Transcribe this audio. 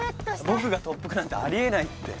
僕が特服なんてあり得ないって。